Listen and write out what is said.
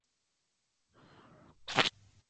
Actualmente trabaja como fotógrafo freelance.